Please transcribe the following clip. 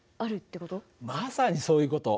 まさにそういう事。